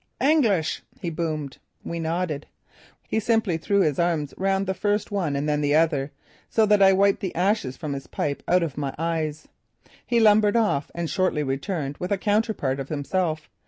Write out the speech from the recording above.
_" "Engelsch!" he boomed. We nodded. He simply threw his arms round first one and then the other, so that I wiped the ashes from his pipe out of my eyes. He lumbered off and shortly returned with a counterpart of himself.